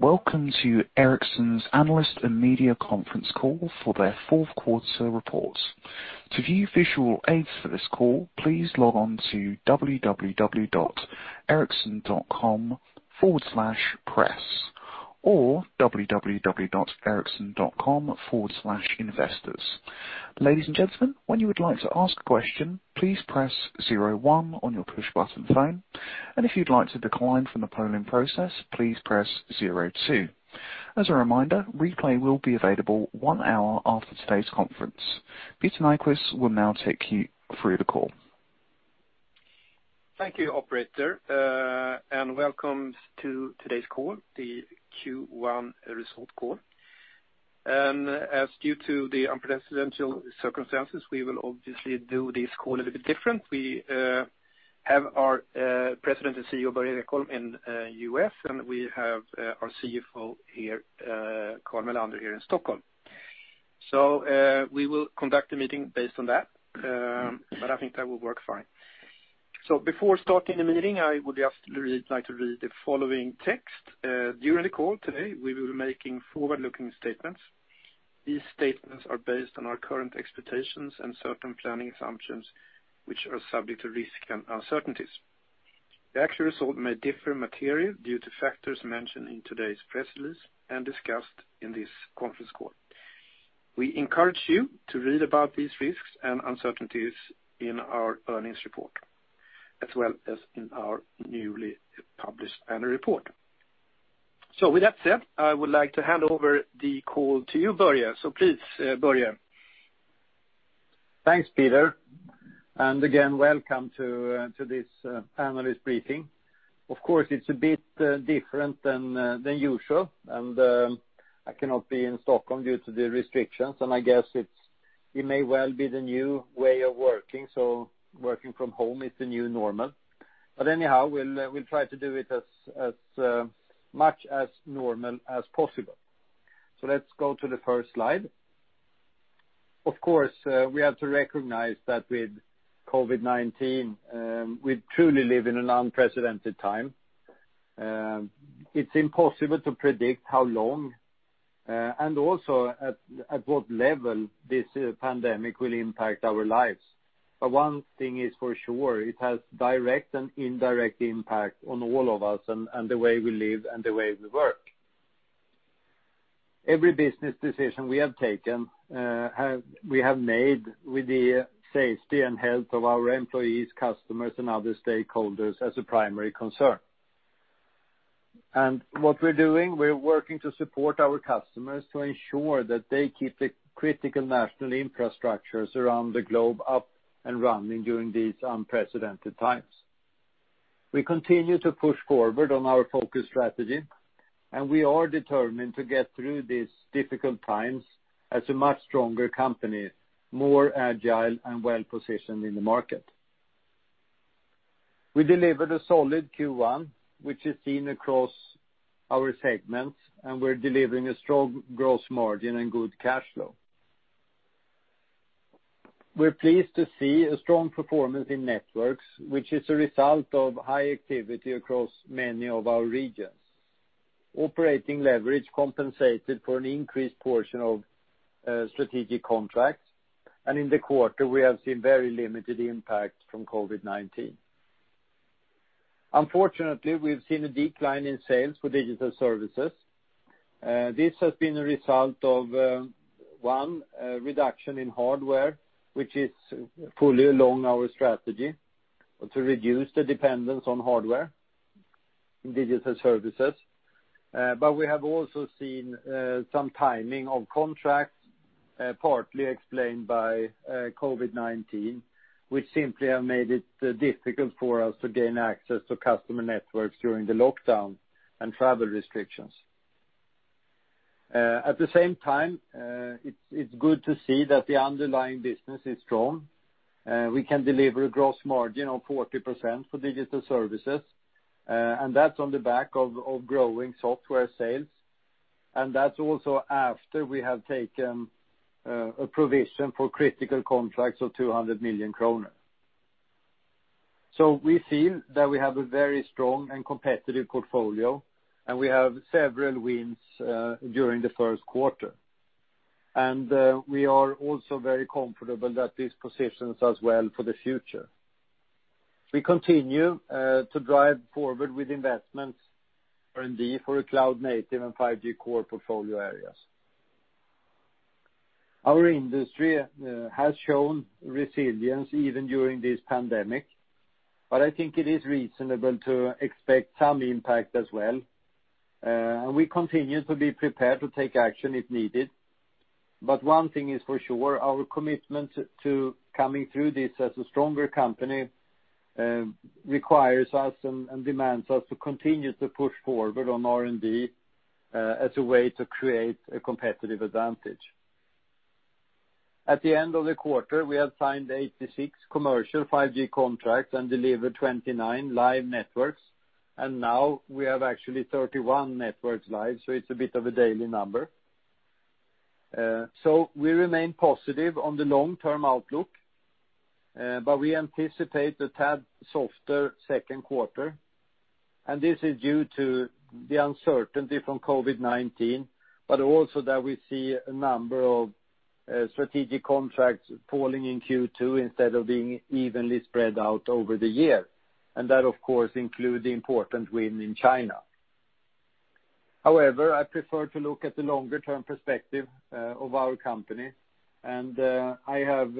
Welcome to Ericsson's Analyst and Media Conference call for their fourth quarter report. To view visual aids for this call, please log on to ericsson.com/press or ericsson.com/investors. Ladies and gentlemen, when you would like to ask a question, please press zero one on your push button phone, and if you'd like to decline from the polling process, please press zero two. As a reminder, replay will be available one hour after today's conference. Peter Nyquist will now take you through the call. Thank you, operator. Welcome to today's call, the Q1 result call. As due to the unprecedented circumstances, we will obviously do this call a little bit different. We have our President and CEO, Börje Ekholm, in U.S., and we have our CFO here, Carl Mellander, here in Stockholm. We will conduct the meeting based on that, but I think that will work fine. Before starting the meeting, I would just like to read the following text. During the call today, we will be making forward-looking statements. These statements are based on our current expectations and certain planning assumptions, which are subject to risk and uncertainties. The actual result may differ materially due to factors mentioned in today's press release and discussed in this conference call. We encourage you to read about these risks and uncertainties in our earnings report, as well as in our newly published annual report. With that said, I would like to hand over the call to you, Börje. Please, Börje. Thanks, Peter. Again, welcome to this analyst briefing. Of course, it's a bit different than usual, I cannot be in Stockholm due to the restrictions, I guess it may well be the new way of working from home is the new normal. Anyhow, we'll try to do it as much as normal as possible. Let's go to the first slide. Of course, we have to recognize that with COVID-19, we truly live in an unprecedented time. It's impossible to predict how long, also at what level this pandemic will impact our lives. One thing is for sure, it has direct and indirect impact on all of us and the way we live and the way we work. Every business decision we have taken, we have made with the safety and health of our employees, customers, and other stakeholders as a primary concern. What we're doing, we're working to support our customers to ensure that they keep the critical national infrastructures around the globe up and running during these unprecedented times. We continue to push forward on our focus strategy, we are determined to get through these difficult times as a much stronger company, more agile and well-positioned in the market. We delivered a solid Q1, which is seen across our segments, we're delivering a strong gross margin and good cash flow. We're pleased to see a strong performance in Networks, which is a result of high activity across many of our regions. Operating leverage compensated for an increased portion of strategic contracts. In the quarter, we have seen very limited impact from COVID-19. Unfortunately, we've seen a decline in sales for Digital Services. This has been a result of, one, a reduction in hardware, which is fully along our strategy to reduce the dependence on hardware in Digital Services. We have also seen some timing of contracts, partly explained by COVID-19, which simply have made it difficult for us to gain access to customer networks during the lockdown and travel restrictions. At the same time, it's good to see that the underlying business is strong. We can deliver a gross margin of 40% for Digital Services, and that's on the back of growing software sales. That's also after we have taken a provision for critical contracts of 200 million kronor. We feel that we have a very strong and competitive portfolio, and we have several wins during the first quarter. We are also very comfortable that this positions us well for the future. We continue to drive forward with investments, R&D for a cloud-native and 5G core portfolio areas. Our industry has shown resilience even during this pandemic, I think it is reasonable to expect some impact as well. We continue to be prepared to take action if needed. One thing is for sure, our commitment to coming through this as a stronger company requires us and demands us to continue to push forward on R&D as a way to create a competitive advantage. At the end of the quarter, we have signed 86 commercial 5G contracts and delivered 29 live networks, and now we have actually 31 networks live, so it's a bit of a daily number. We remain positive on the long-term outlook, but we anticipate a tad softer second quarter, and this is due to the uncertainty from COVID-19, but also that we see a number of strategic contracts falling in Q2 instead of being evenly spread out over the year. That, of course, includes the important win in China. However, I prefer to look at the longer-term perspective of our company, and I have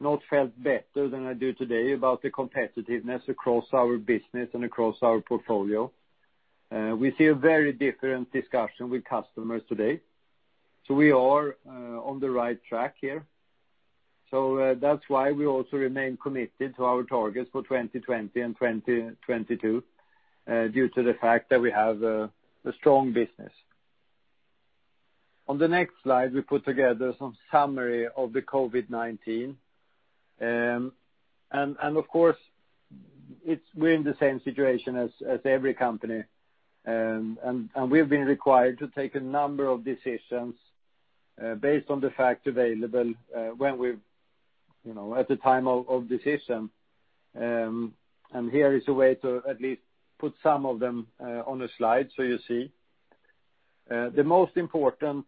not felt better than I do today about the competitiveness across our business and across our portfolio. We see a very different discussion with customers today. We are on the right track here. That's why we also remain committed to our targets for 2020 and 2022, due to the fact that we have a strong business. On the next slide, we put together some summary of the COVID-19. Of course, we're in the same situation as every company, and we've been required to take a number of decisions based on the fact available at the time of decision. Here is a way to at least put some of them on a slide so you see. The most important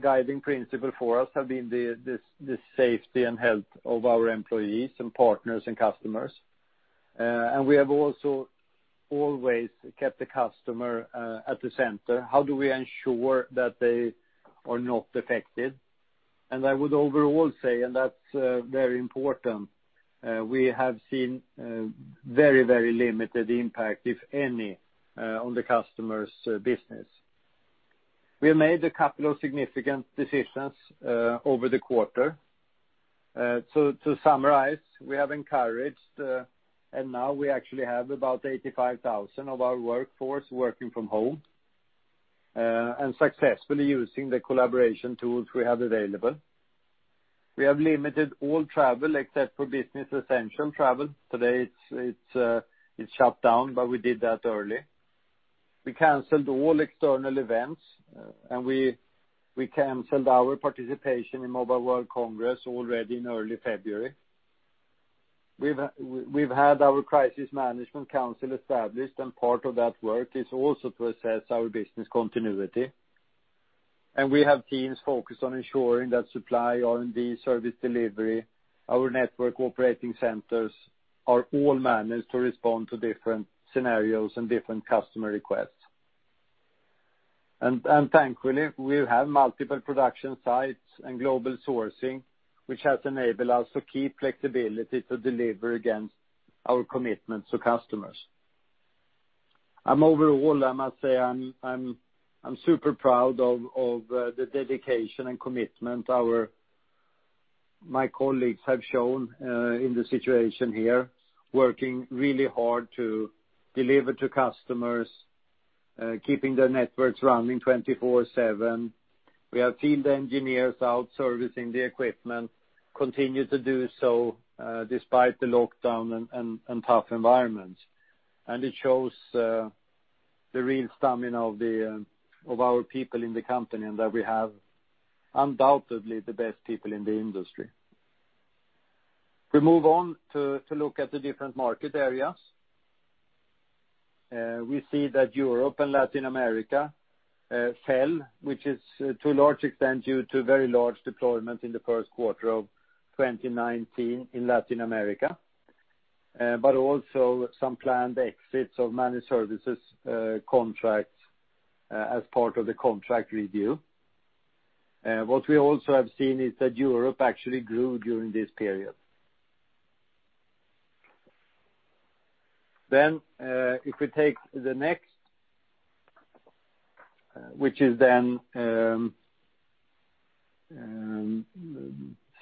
guiding principle for us have been the safety and health of our employees and partners and customers. We have also always kept the customer at the center. How do we ensure that they are not affected? I would overall say, and that's very important, we have seen very limited impact, if any, on the customer's business. We have made a couple of significant decisions over the quarter. To summarize, we have encouraged, and now we actually have about 85,000 of our workforce working from home, and successfully using the collaboration tools we have available. We have limited all travel except for business essential travel. Today it's shut down, We did that early. We canceled all external events, We canceled our participation in Mobile World Congress already in early February. We've had our crisis management council established, Part of that work is also to assess our business continuity. We have teams focused on ensuring that supply, R&D, service delivery, our network operating centers are all managed to respond to different scenarios and different customer requests. Thankfully, we have multiple production sites and global sourcing, which has enabled us to keep flexibility to deliver against our commitments to customers. Overall, I must say, I'm super proud of the dedication and commitment my colleagues have shown in the situation here, working really hard to deliver to customers, keeping the networks running 24/7. We have field engineers out servicing the equipment, continue to do so despite the lockdown and tough environments. It shows the real stamina of our people in the company, and that we have undoubtedly the best people in the industry. We move on to look at the different market areas. We see that Europe and Latin America fell, which is to a large extent due to very large deployment in the first quarter of 2019 in Latin America. Also some planned exits of Managed Services contracts as part of the contract review. What we also have seen is that Europe actually grew during this period. If we take the next, which is then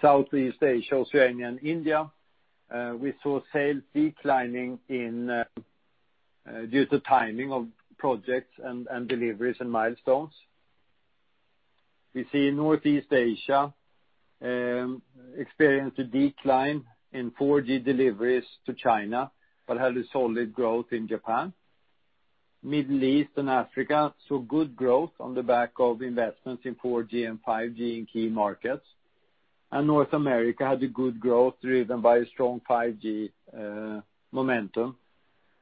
Southeast Asia, Australia, and India, we saw sales declining due to timing of projects and deliveries and milestones. We see Northeast Asia experienced a decline in 4G deliveries to China, but had a solid growth in Japan. Middle East and Africa saw good growth on the back of investments in 4G and 5G in key markets. North America had a good growth driven by strong 5G momentum.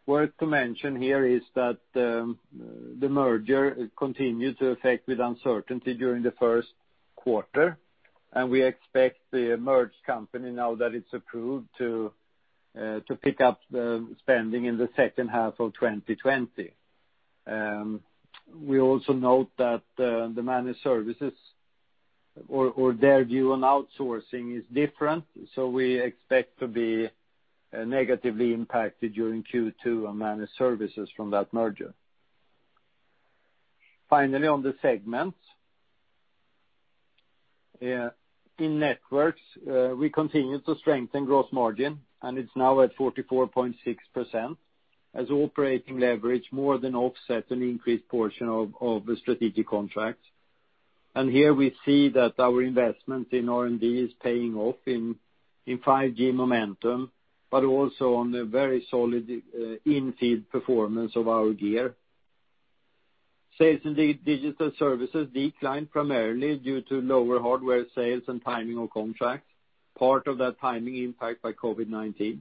Worth to mention here is that the merger continued to affect with uncertainty during the first quarter, and we expect the merged company, now that it's approved, to pick up the spending in the second half of 2020. We also note that the Managed Services or their view on outsourcing is different, so we expect to be negatively impacted during Q2 on Managed Services from that merger. Finally, on the segments. In Networks, we continued to strengthen gross margin, it's now at 44.6% as operating leverage more than offset an increased portion of strategic contracts. Here we see that our investment in R&D is paying off in 5G momentum, but also on the very solid in-field performance of our gear. Sales in the Digital Services declined primarily due to lower hardware sales and timing of contracts, part of that timing impact by COVID-19.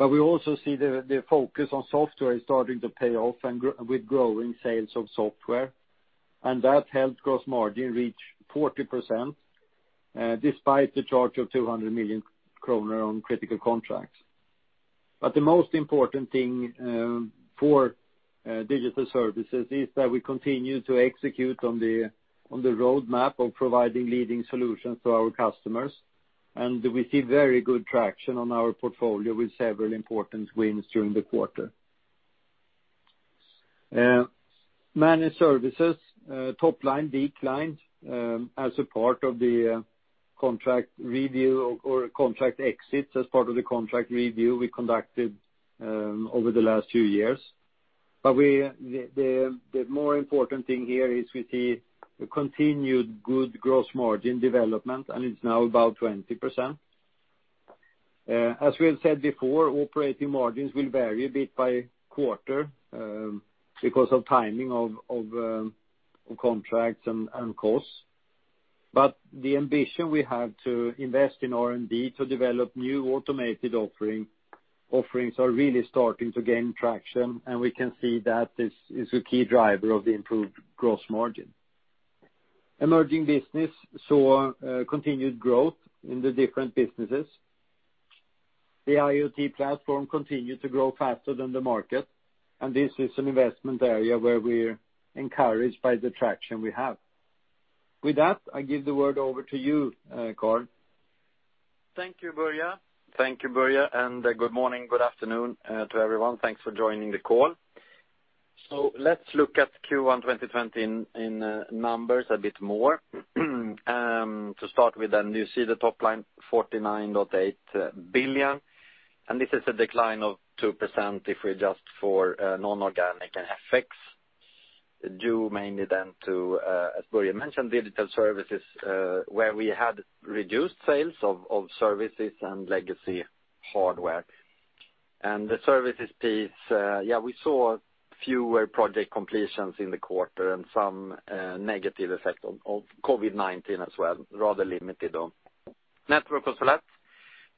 We also see the focus on software is starting to pay off with growing sales of software, and that helped gross margin reach 40%, despite the charge of 200 million kronor on critical contracts. The most important thing for Digital Services is that we continue to execute on the roadmap of providing leading solutions to our customers, and we see very good traction on our portfolio with several important wins during the quarter. Managed Services top line declined as a part of the contract review or contract exits as part of the contract review we conducted over the last few years. The more important thing here is we see a continued good gross margin development, and it's now about 20%. As we have said before, operating margins will vary a bit by quarter because of timing of contracts and costs. The ambition we have to invest in R&D to develop new automated offerings are really starting to gain traction, and we can see that this is a key driver of the improved gross margin. Emerging Business saw a continued growth in the different businesses. The IoT platform continued to grow faster than the market, and this is an investment area where we're encouraged by the traction we have. With that, I give the word over to you, Carl. Thank you, Börje. Thank you, Börje, good morning, good afternoon to everyone. Thanks for joining the call. Let's look at Q1 2020 in numbers a bit more. To start with, you see the top line 49.8 billion, and this is a decline of 2% if we adjust for non-organic and FX, due mainly then to, as Börje mentioned, Digital Services, where we had reduced sales of services and legacy hardware. The services piece, we saw fewer project completions in the quarter and some negative effect of COVID-19 as well. Rather limited on Networks was flat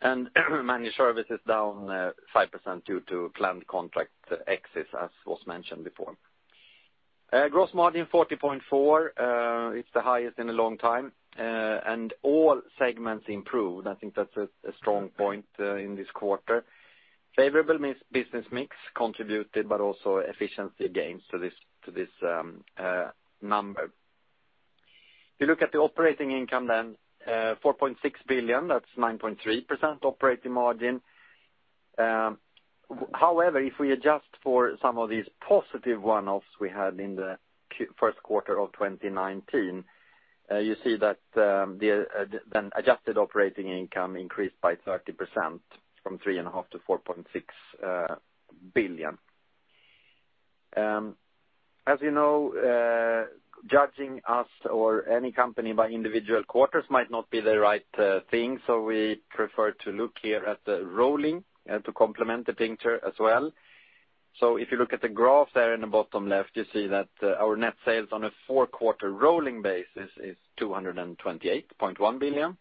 and Managed Services down 5% due to planned contract exits, as was mentioned before. Gross margin 40.4%. It's the highest in a long time, and all segments improved. I think that's a strong point in this quarter. Favorable business mix contributed, but also efficiency gains to this n`umber. If you look at the operating income, 4.6 billion, that's 9.3% operating margin. If we adjust for some of these positive one-offs we had in the first quarter of 2019, you see that the then adjusted operating income increased by 30% from 3.5 billion-4.6 billion. As you know, judging us or any company by individual quarters might not be the right thing. We prefer to look here at the rolling and to complement the picture as well. If you look at the graph there in the bottom left, you see that our net sales on a four-quarter rolling basis is 228.1 billion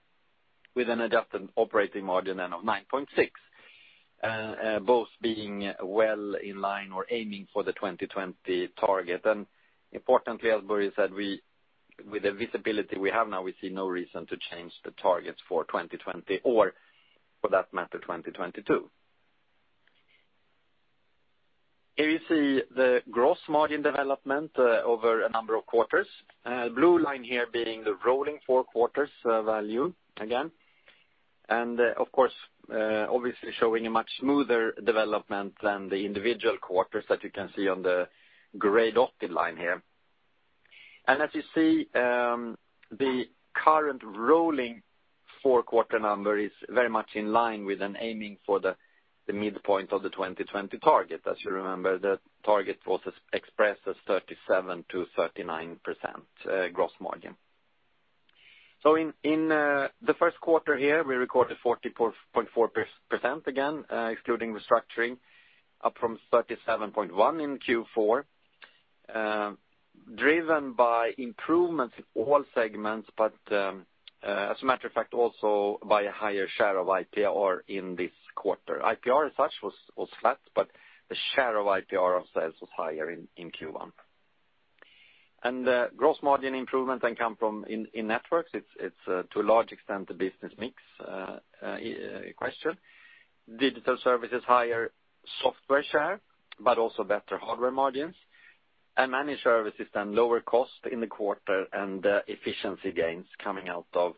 with an adjusted operating margin then of 9.6%, both being well in line or aiming for the 2020 target. Importantly, as Börje said, with the visibility we have now, we see no reason to change the targets for 2020 or, for that matter, 2022. Here you see the gross margin development over a number of quarters. Blue line here being the rolling four quarters value again. Of course, obviously showing a much smoother development than the individual quarters that you can see on the gray dotted line here. As you see, the current rolling four-quarter number is very much in line with an aiming for the midpoint of the 2020 target. As you remember, that target was expressed as 37%-39% gross margin. In the first quarter here, we recorded 40.4%, again, excluding restructuring, up from 37.1% in Q4, driven by improvements in all segments, but as a matter of fact, also by a higher share of IPR in this quarter. IPR as such was flat. The share of IPR of sales was higher in Q1. Gross margin improvement then come from in Networks, it's to a large extent the business mix in question. Digital Services, higher software share, but also better hardware margins, and Managed Services then lower cost in the quarter and efficiency gains coming out of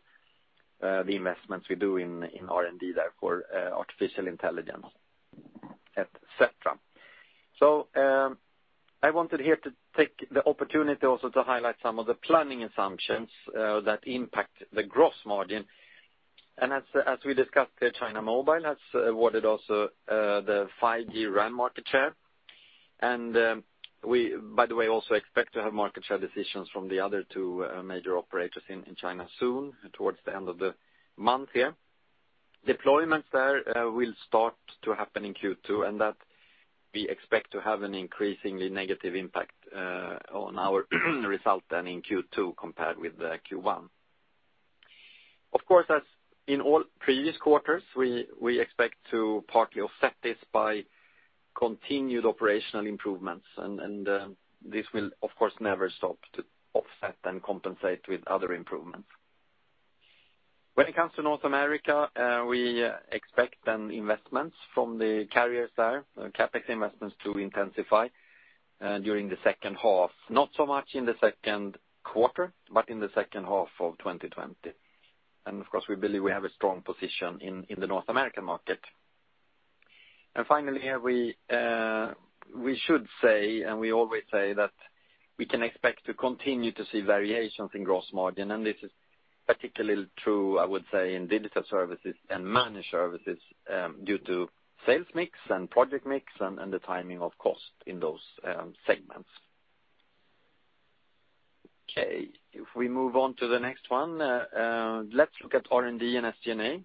the investments we do in R&D there for artificial intelligence, et cetera. I wanted here to take the opportunity also to highlight some of the planning assumptions that impact the gross margin. As we discussed there, China Mobile has awarded also the 5G RAN market share. We, by the way, also expect to have market share decisions from the other two major operators in China soon, towards the end of the month here. Deployments there will start to happen in Q2, and that we expect to have an increasingly negative impact on our result then in Q2 compared with Q1. Of course, as in all previous quarters, we expect to partly offset this by continued operational improvements, and this will, of course, never stop to offset and compensate with other improvements. When it comes to North America, we expect investments from the carriers there, CapEx investments to intensify during the second half. Not so much in the second quarter, but in the second half of 2020. Of course, we believe we have a strong position in the North American market. Finally, we should say, and we always say, that we can expect to continue to see variations in gross margin, and this is particularly true, I would say, in Digital Services and Managed Services due to sales mix and project mix and the timing of cost in those segments. Okay, if we move on to the next one. Let's look at R&D and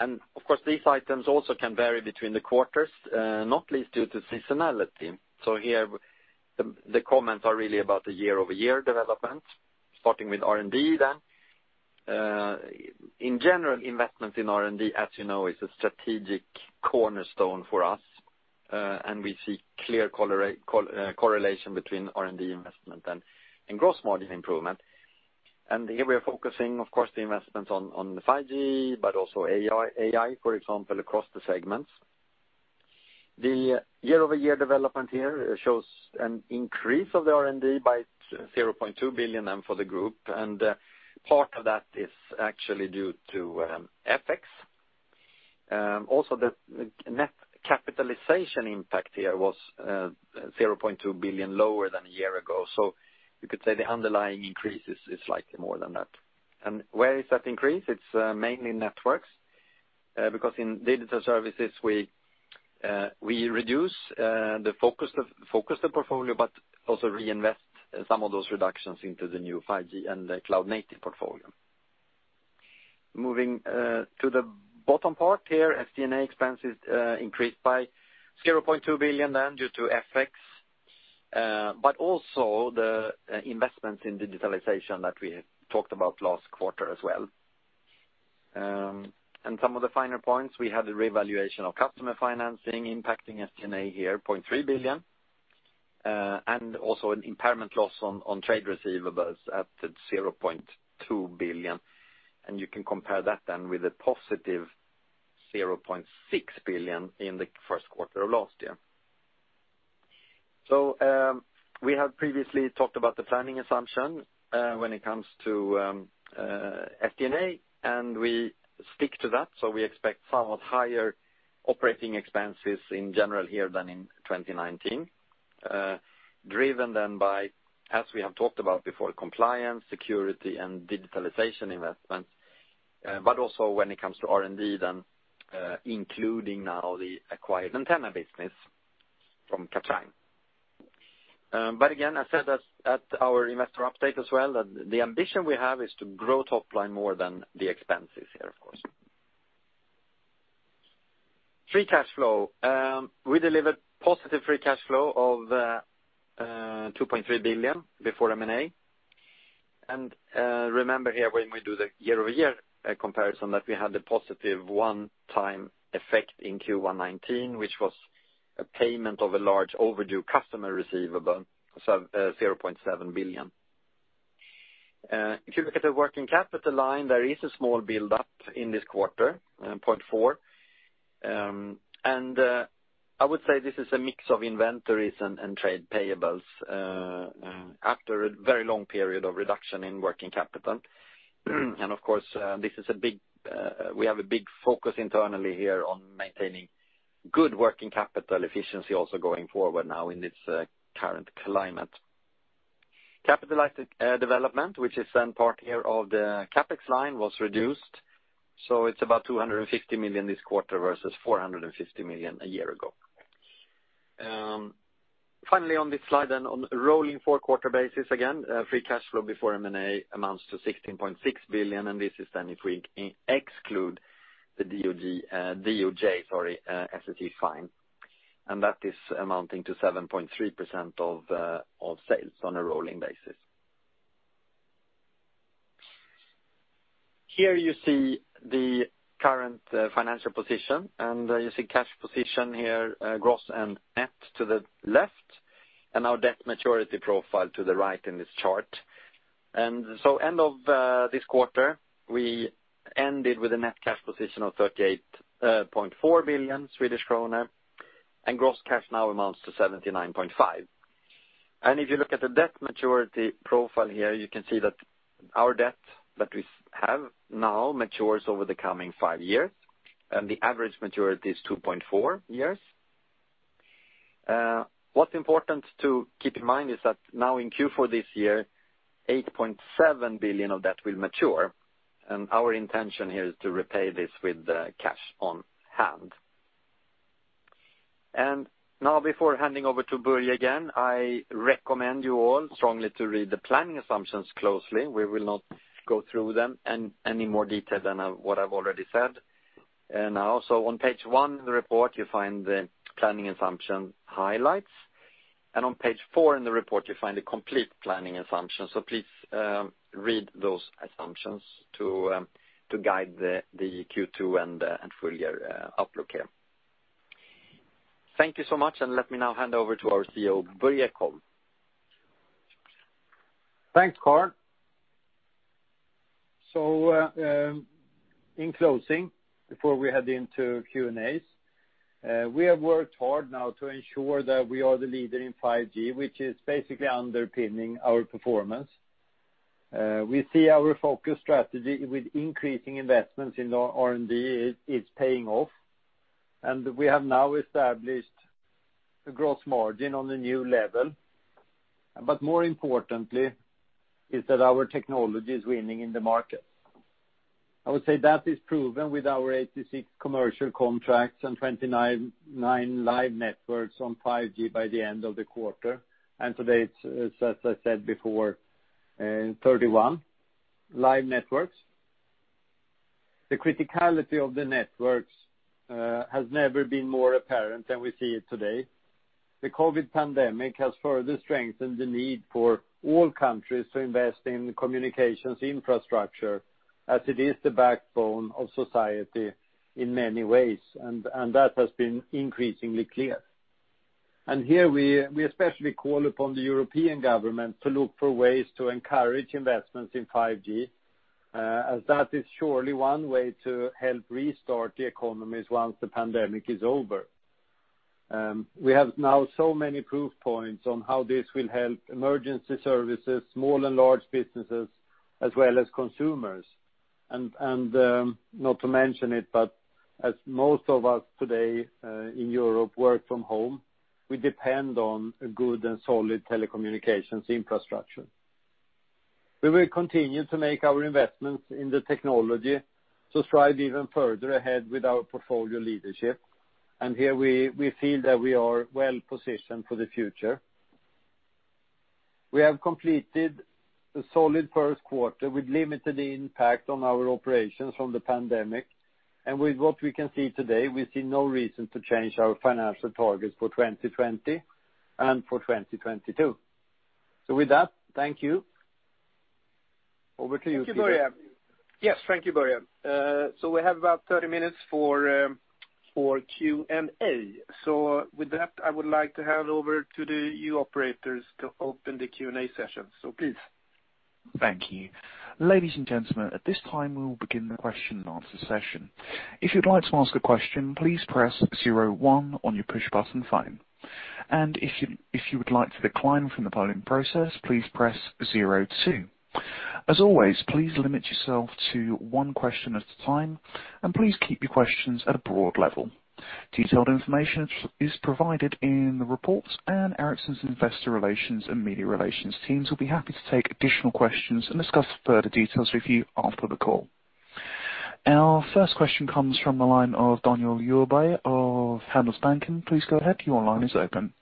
SG&A. Of course, these items also can vary between the quarters, not least due to seasonality. Here, the comments are really about the year-over-year development. Starting with R&D then. In general, investment in R&D, as you know, is a strategic cornerstone for us, and we see clear correlation between R&D investment and gross margin improvement. Here we are focusing, of course, the investments on 5G, but also AI, for example, across the segments. The year-over-year development here shows an increase of the R&D by 0.2 billion for the group. Part of that is actually due to FX. Also, the net capitalization impact here was 0.2 billion lower than a year ago. You could say the underlying increase is slightly more than that. Where is that increase? It's mainly Networks. In Digital Services, we reduce the focus the portfolio, but also reinvest some of those reductions into the new 5G and the cloud-native portfolio. Moving to the bottom part here, SG&A expenses increased by 0.2 billion due to FX. Also the investments in digitalization that we talked about last quarter as well. Some of the finer points, we had a revaluation of customer financing impacting SG&A here, 0.3 billion, and also an impairment loss on trade receivables at 0.2 billion. You can compare that then with a positive 0.6 billion in the first quarter of last year. We have previously talked about the planning assumption when it comes to SG&A, and we stick to that. We expect somewhat higher operating expenses in general here than in 2019, driven then by, as we have talked about before, compliance, security and digitalization investments. Also when it comes to R&D then including now the acquired antenna business from Kathrein. Again, I said at our investor update as well that the ambition we have is to grow top line more than the expenses here, of course. Free cash flow. We delivered positive free cash flow of SEK 2.3 billion before M&A. Remember here when we do the year-over-year comparison, that we had a positive one-time effect in Q1 2019, which was a payment of a large overdue customer receivable, so 0.7 billion. If you look at the working capital line, there is a small buildup in this quarter, 0.4. I would say this is a mix of inventories and trade payables after a very long period of reduction in working capital. Of course, we have a big focus internally here on maintaining good working capital efficiency also going forward now in this current climate. Capitalized development, which is part here of the CapEx line, was reduced. It's about 250 million this quarter versus 450 million a year ago. Finally on this slide, on a rolling four-quarter basis, again, free cash flow before M&A amounts to 16.6 billion, and this is then if we exclude the DoJ SEC fine, and that is amounting to 7.3% of sales on a rolling basis. Here you see the current financial position. You see cash position here, gross and net to the left, and our debt maturity profile to the right in this chart. End of this quarter, we ended with a net cash position of 38.4 billion Swedish kronor, and gross cash now amounts to 79.5 billion. If you look at the debt maturity profile here, you can see that our debt that we have now matures over the coming five years, and the average maturity is 2.4 years. What's important to keep in mind is that now in Q4 this year, 8.7 billion of debt will mature. Our intention here is to repay this with cash on hand. Now before handing over to Börje again, I recommend you all strongly to read the planning assumptions closely. We will not go through them in any more detail than what I've already said. Also on page one in the report, you find the planning assumption highlights, and on page four in the report, you find the complete planning assumption. Please read those assumptions to guide the Q2 and full year outlook here. Thank you so much, and let me now hand over to our CEO, Börje Ekholm. Thanks, Carl. In closing, before we head into Q&As, we have worked hard now to ensure that we are the leader in 5G, which is basically underpinning our performance. We see our focus strategy with increasing investments in R&D is paying off, and we have now established a gross margin on the new level. More importantly is that our technology is winning in the market. I would say that is proven with our 86 commercial contracts and 29 live networks on 5G by the end of the quarter. Today, as I said before, 31 live networks. The criticality of the networks has never been more apparent than we see it today. The COVID pandemic has further strengthened the need for all countries to invest in communications infrastructure as it is the backbone of society in many ways, and that has been increasingly clear. Here we especially call upon the European government to look for ways to encourage investments in 5G, as that is surely one way to help restart the economies once the pandemic is over. We have now so many proof points on how this will help emergency services, small and large businesses, as well as consumers. Not to mention it, but as most of us today in Europe work from home, we depend on a good and solid telecommunications infrastructure. We will continue to make our investments in the technology to strive even further ahead with our portfolio leadership. Here we feel that we are well-positioned for the future. We have completed a solid first quarter with limited impact on our operations from the pandemic. With what we can see today, we see no reason to change our financial targets for 2020 and for 2022. With that, thank you. Over to you, Peter. Thank you, Börje. Yes, thank you, Börje. We have about 30 minutes for Q&A. With that, I would like to hand over to the new operators to open the Q&A session. Please. Thank you. Ladies and gentlemen, at this time, we will begin the question and answer session. If you'd like to ask a question, please press zero one on your push button phone. If you would like to decline from the polling process, please press zero two. As always, please limit yourself to one question at a time, and please keep your questions at a broad level. Detailed information is provided in the report, and Ericsson's investor relations and media relations teams will be happy to take additional questions and discuss further details with you after the call. Our first question comes from the line of Daniel Djurberg of Handelsbanken. Please go ahead. Your line is open.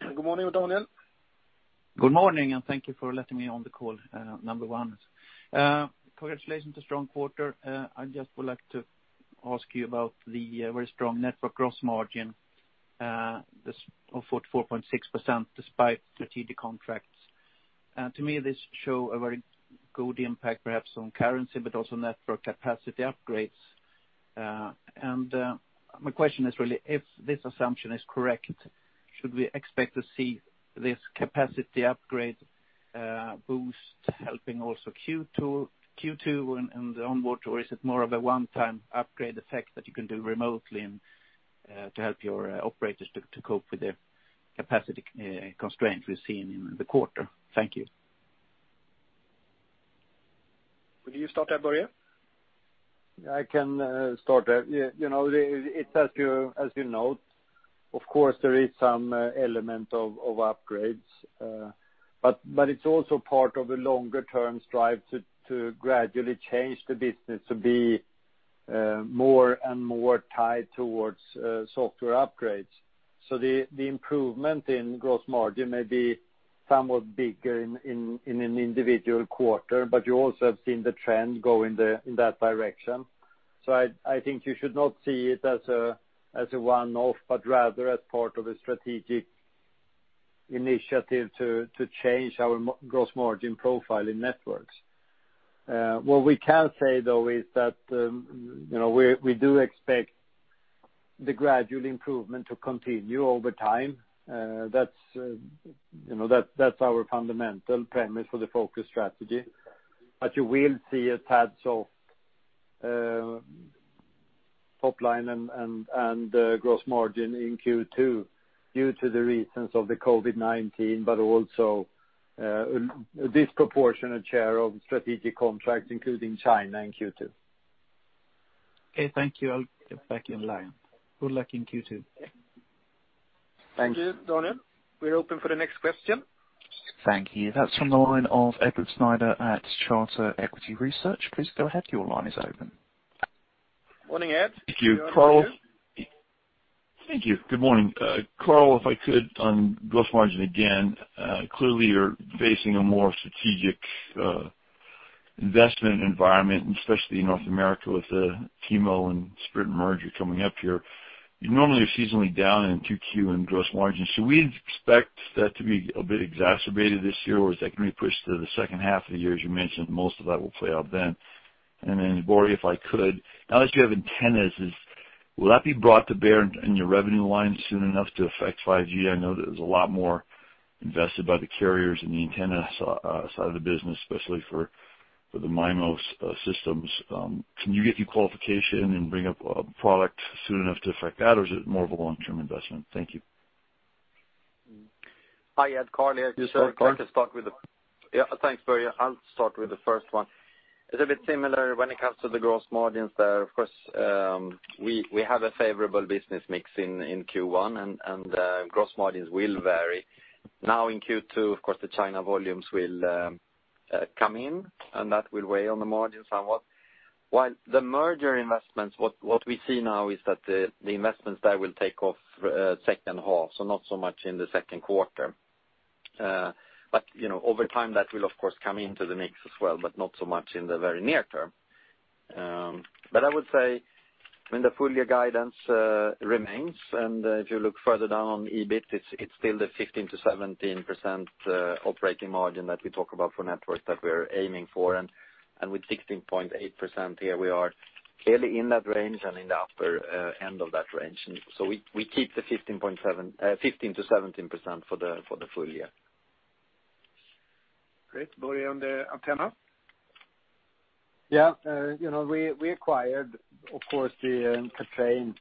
Good morning, Daniel. Good morning. Thank you for letting me on the call, number one. Congratulations to strong quarter. I just would like to ask you about the very strong Networks gross margin of 44.6% despite strategic contracts. To me, this show a very good impact, perhaps on currency, but also Networks capacity upgrades. My question is really, if this assumption is correct, should we expect to see this capacity upgrade boost helping also Q2 and onward? Is it more of a one-time upgrade effect that you can do remotely to help your operators to cope with the capacity constraints we've seen in the quarter? Thank you. Would you start that, Börje? I can start that. As you note, of course, there is some element of upgrades. It's also part of a longer-term strive to gradually change the business to be more and more tied towards software upgrades. The improvement in gross margin may be somewhat bigger in an individual quarter, but you also have seen the trend go in that direction. I think you should not see it as a one-off, but rather as part of a strategic initiative to change our gross margin profile in Networks. What we can say, though, is that we do expect the gradual improvement to continue over time. That's our fundamental premise for the focus strategy. You will see a tad soft top line and gross margin in Q2 due to the reasons of the COVID-19, but also a disproportionate share of strategic contracts, including China in Q2. Okay, thank you. I'll get back in line. Good luck in Q2. Thank you, Daniel. We're open for the next question. Thank you. That's from the line of Edward Snyder at Charter Equity Research. Please go ahead. Your line is open. Morning, Ed. Thank you, Carl. Thank you. Good morning. Carl, if I could, on gross margin again. Clearly, you're facing a more strategic investment environment, especially in North America with the T-Mobile and Sprint merger coming up here. You normally are seasonally down in 2Q in gross margins. Should we expect that to be a bit exacerbated this year, or is that going to be pushed to the second half of the year, as you mentioned, most of that will play out then? Börje, if I could, now that you have antennas, will that be brought to bear in your revenue line soon enough to affect 5G? I know that there's a lot more invested by the carriers in the antenna side of the business, especially for the MIMO systems. Can you get your qualification and bring up a product soon enough to affect that, or is it more of a long-term investment? Thank you. Hi, Ed. Carl here. Yes, Carl. Thanks, Börje. I'll start with the first one. It's a bit similar when it comes to the gross margins there. Of course, we have a favorable business mix in Q1, and gross margins will vary. In Q2, of course, the China volumes will come in, and that will weigh on the margin somewhat. The merger investments, what we see now is that the investments there will take off second half, so not so much in the second quarter. Over time, that will of course come into the mix as well, but not so much in the very near term. I would say, when the full year guidance remains, and if you look further down on EBIT, it's still the 15%-17% operating margin that we talk about for Networks that we're aiming for. With 16.8% here we are clearly in that range and in the upper end of that range. We keep the 15%-17% for the full year. Great. Börje, on the antenna? We acquired, of course, the Kathrein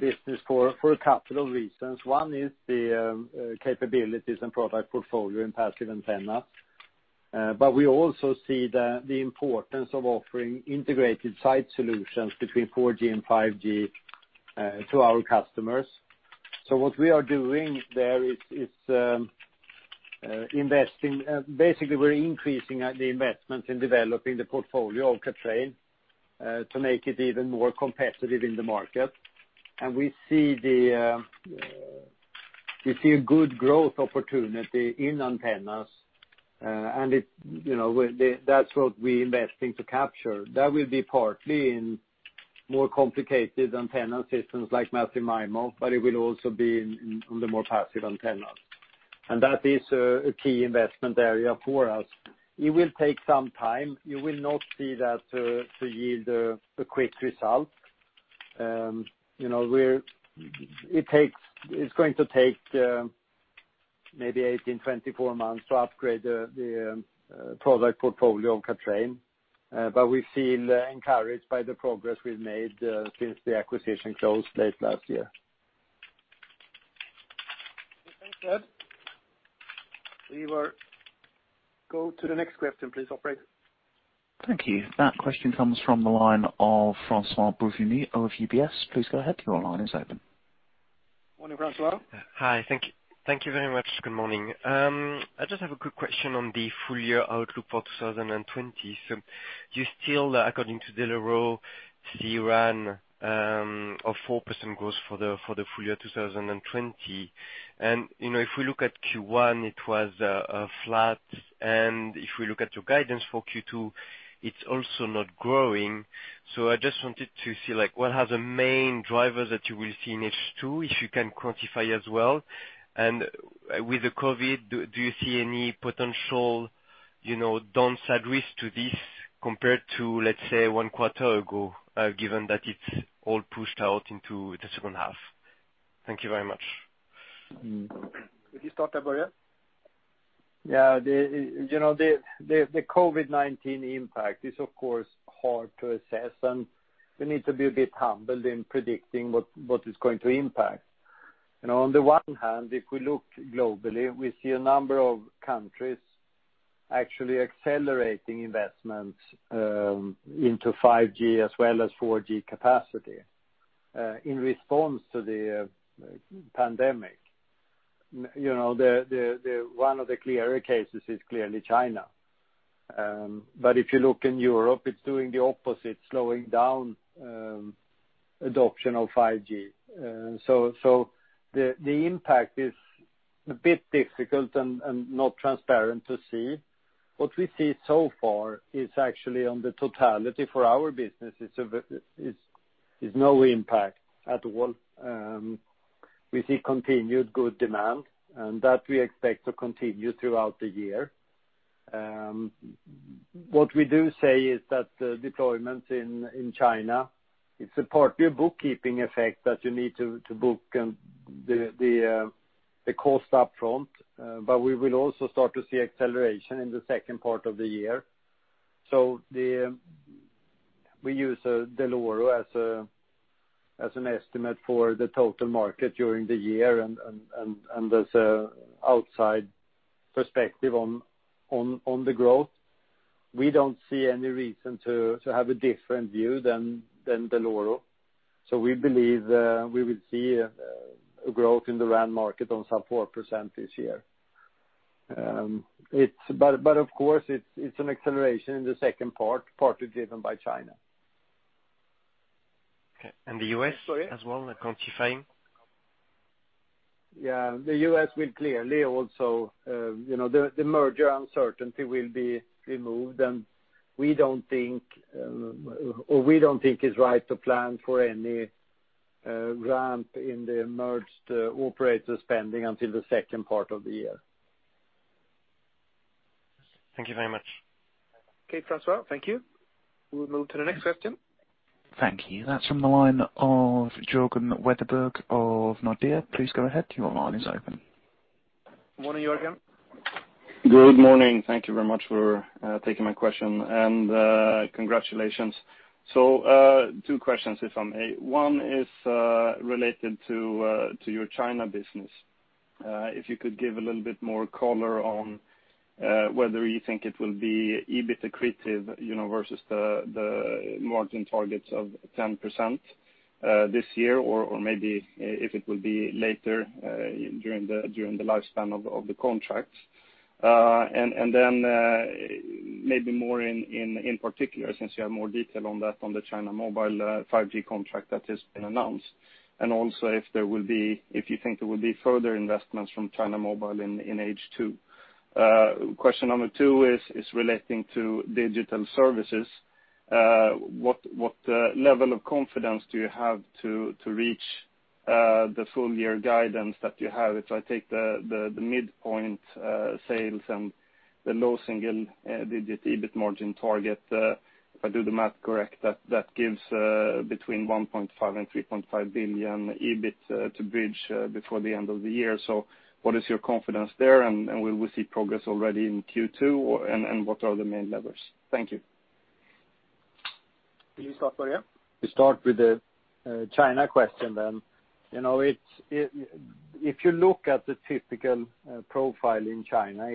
business for a couple of reasons. One is the capabilities and product portfolio in passive antenna. We also see the importance of offering integrated site solutions between 4G and 5G to our customers. What we are doing there is investing. Basically, we're increasing the investment in developing the portfolio of Kathrein, to make it even more competitive in the market. We see a good growth opportunity in antennas. That's what we're investing to capture. That will be partly in more complicated antenna systems like Massive MIMO, but it will also be on the more passive antennas. That is a key investment area for us. It will take some time. You will not see that to yield a quick result. It's going to take maybe 18, 24 months to upgrade the product portfolio of Kathrein. We feel encouraged by the progress we've made since the acquisition closed late last year. Thanks, Ed. We will go to the next question please, operator. Thank you. That question comes from the line of François-Xavier Bouvignies of UBS. Please go ahead. Your line is open. Morning, François. Hi. Thank you very much. Good morning. I just have a quick question on the full year outlook for 2020. You still, according to Dell'Oro, see RAN of 4% growth for the full year 2020. If we look at Q1, it was flat, and if we look at your guidance for Q2, it's also not growing. I just wanted to see what are the main drivers that you will see in H2, if you can quantify as well? With the COVID, do you see any potential downside risk to this compared to, let's say, one quarter ago, given that it's all pushed out into the second half? Thank you very much. Could you start up, Börje? Yeah. The COVID-19 impact is, of course, hard to assess, and we need to be a bit humble in predicting what is going to impact. On the one hand, if we look globally, we see a number of countries actually accelerating investment into 5G as well as 4G capacity in response to the pandemic. One of the clearer cases is clearly China. If you look in Europe, it's doing the opposite, slowing down adoption of 5G. The impact is a bit difficult and not transparent to see. What we see so far is actually on the totality for our business is no impact at all. We see continued good demand, and that we expect to continue throughout the year. What we do say is that deployment in China, it's a partly a bookkeeping effect that you need to book the cost up front, but we will also start to see acceleration in the second part of the year. We use Dell'Oro as an estimate for the total market during the year and as an outside perspective on the growth. We don't see any reason to have a different view than Dell'Oro. We believe we will see a growth in the RAN market on some 4% this year. Of course, it's an acceleration in the second part, partly driven by China. And U.S.- Sorry? -as well, like Quantifying? The U.S. will clearly the merger uncertainty will be removed. We don't think it's right to plan for any ramp in the merged operator spending until the second part of the year. Thank you very much. Okay, François. Thank you. We'll move to the next question. Thank you. That is from the line of Jörgen Wetterberg of Nordea. Please go ahead. Your line is open. Morning, Jörgen. Good morning. Thank you very much for taking my question, and congratulations. Two questions if I may. One is related to your China business. If you could give a little bit more color on whether you think it will be EBIT accretive versus the margin targets of 10% this year or maybe if it will be later during the lifespan of the contract. Maybe more in particular, since you have more detail on that on the China Mobile 5G contract that has been announced, and also if you think there will be further investments from China Mobile in H2. Question number two is relating to Digital Services. What level of confidence do you have to reach the full year guidance that you have? If I take the midpoint sales and the low single-digit EBIT margin target, if I do the math correct, that gives between 1.5 billion and 3.5 billion EBIT to bridge before the end of the year. What is your confidence there, and will we see progress already in Q2, and what are the main levers? Thank you. Can you start, Börje? We start with the China question. If you look at the typical profile in China,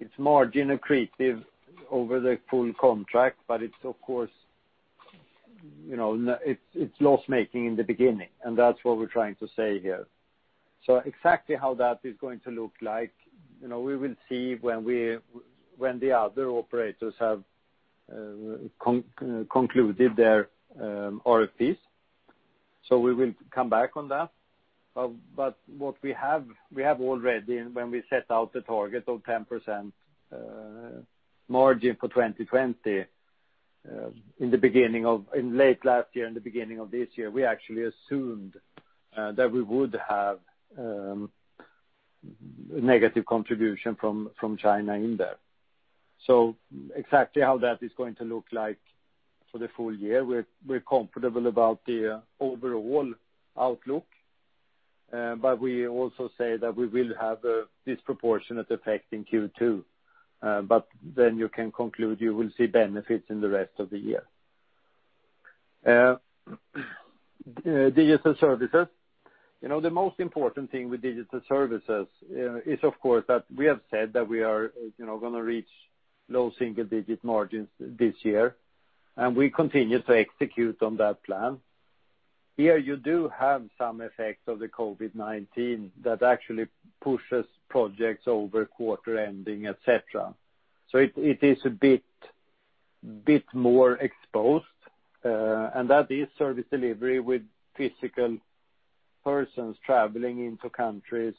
it's margin accretive over the full contract, but it's loss-making in the beginning, and that's what we're trying to say here. Exactly how that is going to look like, we will see when the other operators have concluded their RFPs. We will come back on that. What we have already, when we set out the target of 10% margin for 2020 in late last year and the beginning of this year, we actually assumed that we would have negative contribution from China in there. Exactly how that is going to look like for the full year, we're comfortable about the overall outlook. We also say that we will have a disproportionate effect in Q2. You can conclude you will see benefits in the rest of the year. Digital Services. The most important thing with Digital Services is, of course, that we have said that we are going to reach low single-digit margins this year, and we continue to execute on that plan. Here, you do have some effects of the COVID-19 that actually pushes projects over quarter ending, et cetera. It is a bit more exposed, and that is service delivery with physical persons traveling into countries,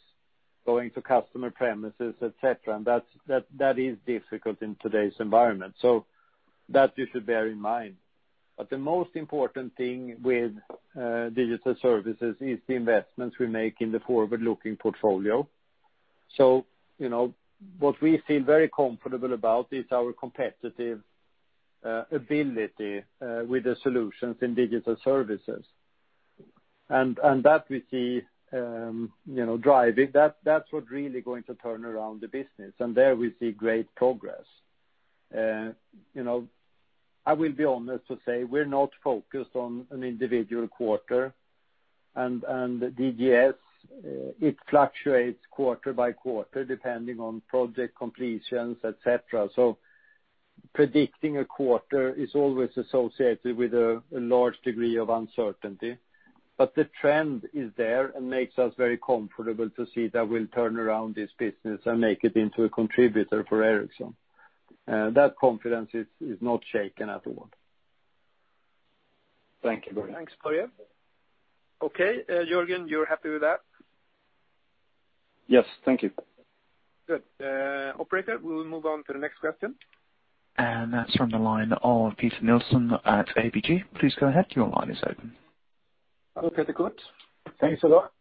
going to customer premises, et cetera, and that is difficult in today's environment. That you should bear in mind. The most important thing with Digital Services is the investments we make in the forward-looking portfolio. What we feel very comfortable about is our competitive ability with the solutions in Digital Services. That we see driving. That's what really going to turn around the business, and there we see great progress. I will be honest to say we're not focused on an individual quarter, and DGS, it fluctuates quarter by quarter depending on project completions, et cetera. Predicting a quarter is always associated with a large degree of uncertainty. The trend is there and makes us very comfortable to see that we'll turn around this business and make it into a contributor for Ericsson. That confidence is not shaken at all. Thank you very much. Thanks, Börje. Okay. Jörgen, you're happy with that? Yes. Thank you. Good. Operator, we will move on to the next question. That's from the line of Peter Nilsson at ABG. Please go ahead. Your line is open. Hello, Peter. Good. Thanks a lot.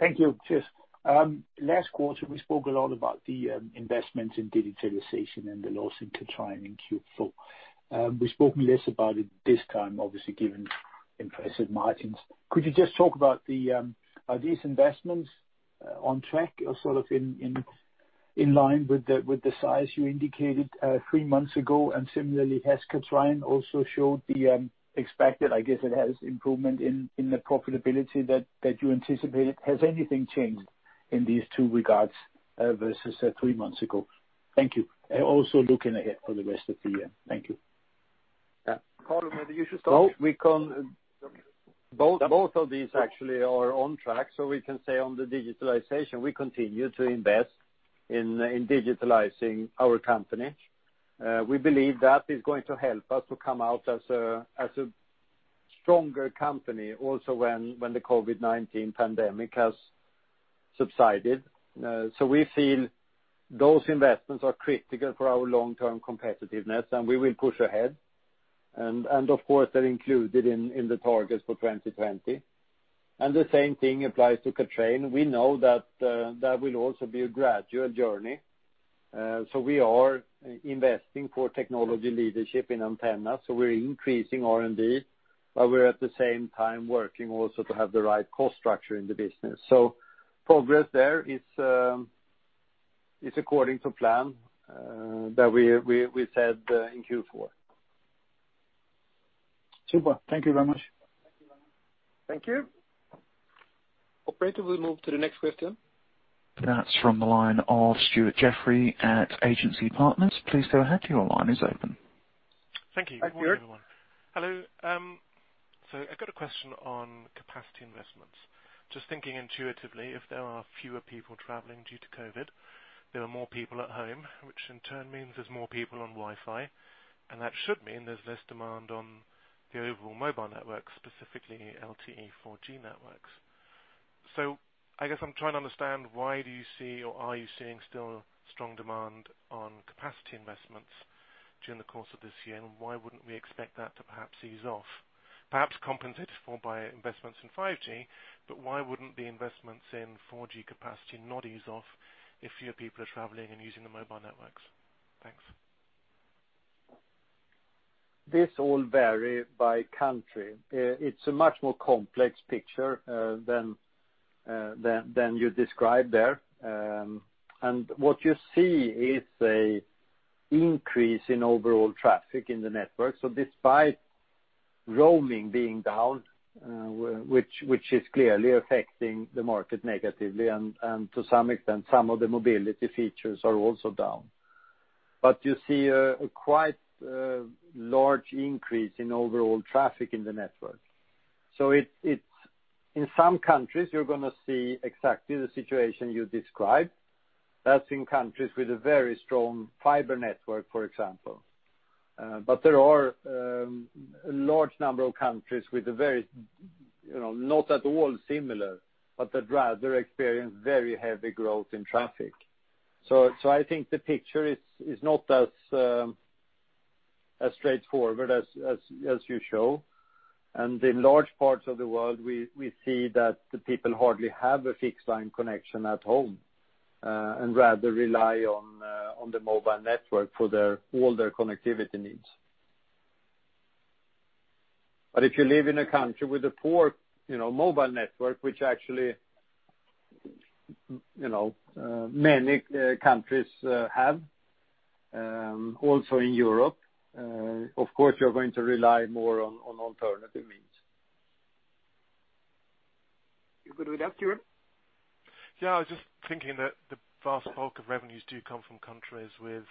Thank you. Cheers. Last quarter, we spoke a lot about the investments in digitalization and the loss in Kathrein in Q4. We spoke less about it this time, obviously, given impressive margins. Could you just talk about are these investments on track or sort of in line with the size you indicated three months ago? And similarly, has Kathrein also showed the expected, I guess it has, improvement in the profitability that you anticipated? Has anything changed in these two regards versus three months ago? Thank you. Also looking ahead for the rest of the year. Thank you. Carl, maybe you should start. Both of these actually are on track. We can say on the digitalization, we continue to invest in digitalizing our company. We believe that is going to help us to come out as a stronger company also when the COVID-19 pandemic has subsided. We feel those investments are critical for our long-term competitiveness, and we will push ahead. Of course, they're included in the targets for 2020. The same thing applies to Kathrein. We know that will also be a gradual journey. We are investing for technology leadership in antenna. We're increasing R&D, while we're at the same time working also to have the right cost structure in the business. Progress there is according to plan that we set in Q4. Super. Thank you very much. Thank you. Operator, we move to the next question. That's from the line of Stuart Jeffrey at Arete Research. Please go ahead. Your line is open. Hi, Stuart. Thank you. Hello. I've got a question on capacity investments. Just thinking intuitively, if there are fewer people traveling due to COVID-19, there are more people at home, which in turn means there's more people on Wi-Fi, and that should mean there's less demand on the overall mobile network, specifically LTE 4G networks. I guess I'm trying to understand why do you see or are you seeing still strong demand on capacity investments during the course of this year, and why wouldn't we expect that to perhaps ease off? Perhaps compensated for by investments in 5G, why wouldn't the investments in 4G capacity not ease off if fewer people are traveling and using the mobile networks? Thanks. This all vary by country. It's a much more complex picture than you described there. What you see is an increase in overall traffic in the network. Despite roaming being down, which is clearly affecting the market negatively and to some extent, some of the mobility features are also down. You see a quite large increase in overall traffic in the network. In some countries, you're going to see exactly the situation you described. That's in countries with a very strong fiber network, for example. There are a large number of countries with a very, not at all similar, but that rather experience very heavy growth in traffic. I think the picture is not as straightforward as you show. In large parts of the world, we see that the people hardly have a fixed line connection at home, and rather rely on the mobile network for all their connectivity needs. If you live in a country with a poor mobile network, which actually many countries have, also in Europe, of course, you're going to rely more on alternative means. You're good with that, Stuart? Yeah, I was just thinking that the vast bulk of revenues do come from countries with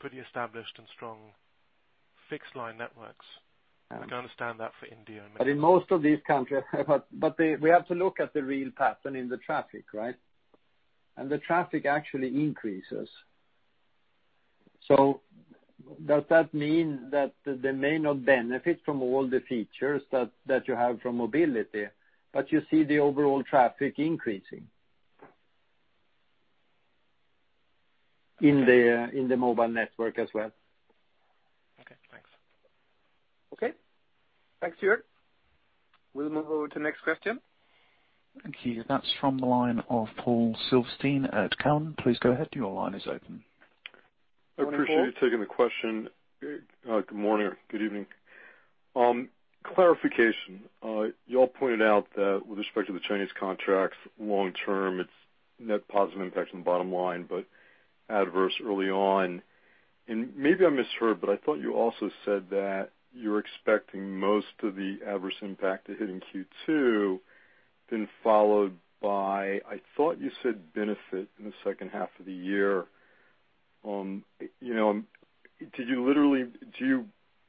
pretty established and strong fixed line networks. I can understand that for India. In most of these countries. We have to look at the real pattern in the traffic, right? The traffic actually increases. Does that mean that they may not benefit from all the features that you have from mobility, but you see the overall traffic increasing? In the mobile network as well. Okay, thanks. Okay. Thanks, Stuart. We'll move over to the next question. Thank you. That's from the line of Paul Silverstein at Cowen. Please go ahead. Your line is open. Morning, Paul. I appreciate you taking the question. Good morning or good evening. Clarification. You all pointed out that with respect to the Chinese contracts long-term, it's net positive impact on the bottom line, but adverse early on. Maybe I misheard, but I thought you also said that you're expecting most of the adverse impact to hit in Q2, then followed by, I thought you said benefit in the second half of the year. Do you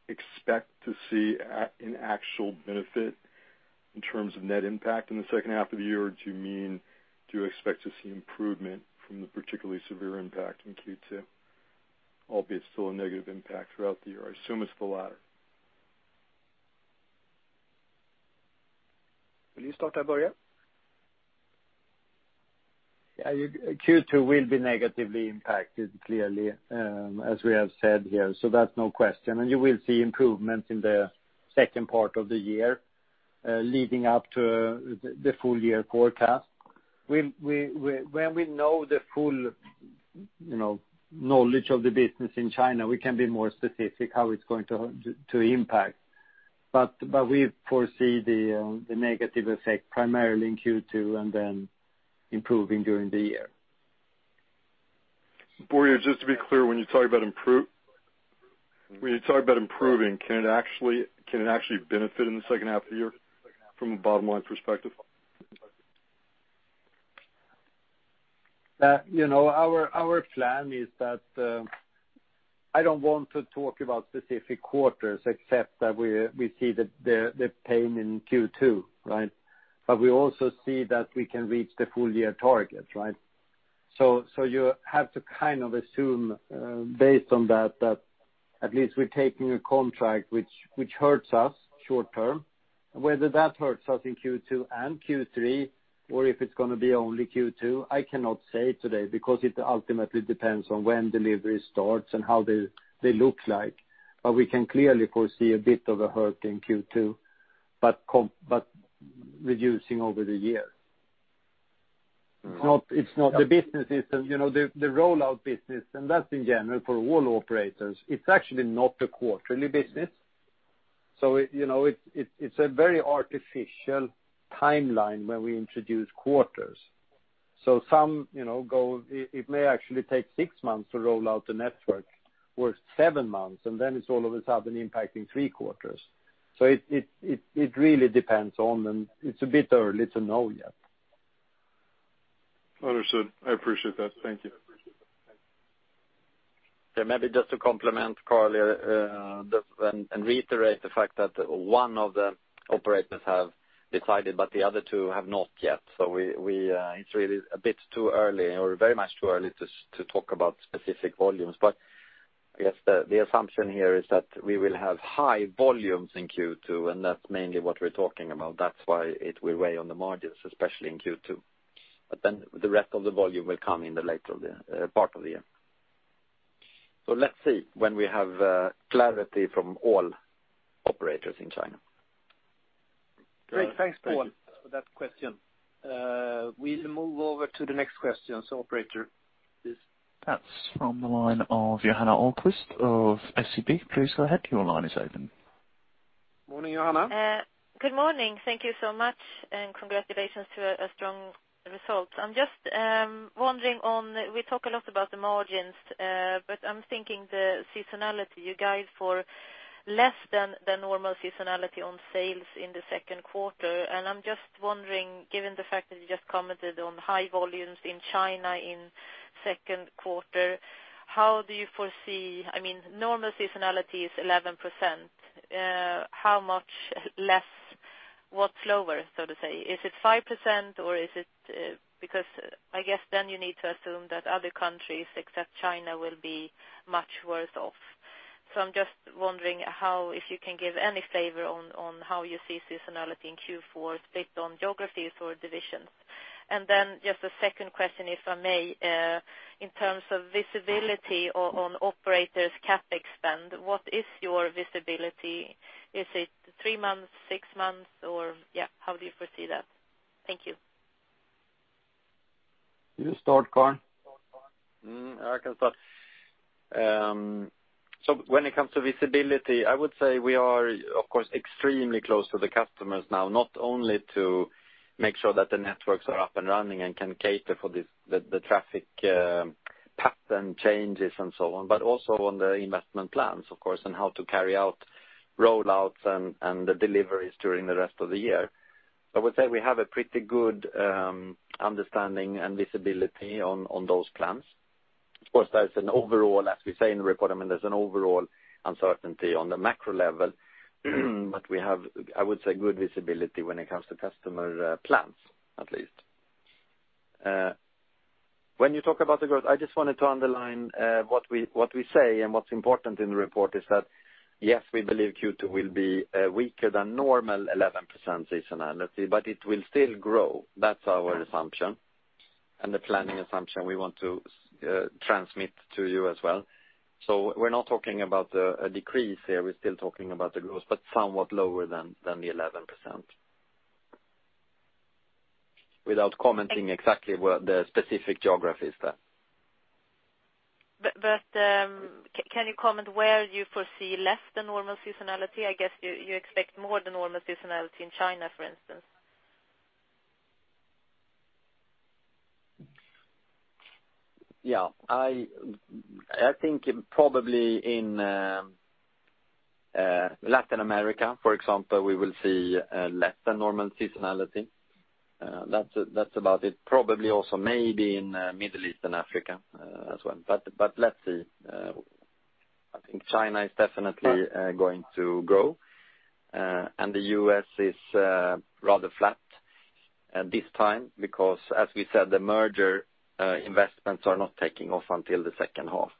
expect to see an actual benefit in terms of net impact in the second half of the year? Do you mean, do you expect to see improvement from the particularly severe impact in Q2, albeit still a negative impact throughout the year? I assume it's the latter. Will you start that, Börje? Yeah. Q2 will be negatively impacted, clearly, as we have said here. That's no question. You will see improvement in the second part of the year, leading up to the full-year forecast. When we know the full knowledge of the business in China, we can be more specific how it's going to impact. We foresee the negative effect primarily in Q2 and then improving during the year. Börje, just to be clear, when you talk about improving, can it actually benefit in the second half of the year from a bottom-line perspective? Our plan is that I don't want to talk about specific quarters, except that we see the pain in Q2. We also see that we can reach the full-year target. You have to assume, based on that at least we're taking a contract which hurts us short-term. Whether that hurts us in Q2 and Q3, or if it's going to be only Q2, I cannot say today, because it ultimately depends on when delivery starts and how they look like. We can clearly foresee a bit of a hurt in Q2, but reducing over the year. All right. The rollout business, and that's in general for all operators, it's actually not a quarterly business. It's a very artificial timeline when we introduce quarters. It may actually take six months to roll out the network, or seven months, and then it's all of a sudden impacting three quarters. It really depends, and it's a bit early to know yet. Understood. I appreciate that. Thank you. Maybe just to complement Carly, and reiterate the fact that one of the operators have decided, but the other two have not yet. It's really a bit too early, or very much too early to talk about specific volumes. I guess the assumption here is that we will have high volumes in Q2, and that's mainly what we're talking about. That's why it will weigh on the margins, especially in Q2. The rest of the volume will come in the later part of the year. Let's see, when we have clarity from all operators in China. Great. Thanks for that question. We'll move over to the next question. Operator, please. That's from the line of Johanna Ahlqvist of SEB. Please go ahead. Your line is open. Morning, Johanna. Good morning. Thank you so much, and congratulations to a strong result. I'm just wondering, we talk a lot about the margins, but I'm thinking the seasonality. You guide for less than the normal seasonality on sales in the second quarter. I'm just wondering, given the fact that you just commented on high volumes in China in second quarter, how do you foresee-- normal seasonality is 11%. How much less? What's lower, so to say? Is it 5%? I guess then you need to assume that other countries except China will be much worse off. I'm just wondering if you can give any flavor on how you see seasonality in Q4 based on geographies or divisions. Then just a second question, if I may. In terms of visibility on operators' CapEx spend, what is your visibility? Is it three months, six months? How do you foresee that? Thank you. You start, Carl. I can start. When it comes to visibility, I would say we are, of course, extremely close to the customers now, not only to make sure that the networks are up and running and can cater for the traffic pattern changes and so on, but also on the investment plans, of course, on how to carry out roll-outs and the deliveries during the rest of the year. I would say we have a pretty good understanding and visibility on those plans. Of course, as we say in the report, there's an overall uncertainty on the macro level. We have, I would say, good visibility when it comes to customer plans, at least. When you talk about the growth, I just wanted to underline what we say and what's important in the report is that, yes, we believe Q2 will be weaker than normal 11% seasonality, but it will still grow. That's our assumption and the planning assumption we want to transmit to you as well. We're not talking about a decrease here. We're still talking about the growth, somewhat lower than the 11%. Without commenting exactly what the specific geography is there. Can you comment where you foresee less than normal seasonality? I guess you expect more than normal seasonality in China, for instance. Yeah. I think probably in Latin America, for example, we will see less than normal seasonality. That's about it. Probably also maybe in Middle East and Africa as well. Let's see. I think China is definitely going to grow. The U.S. is rather flat at this time because, as we said, the merger investments are not taking off until the second half.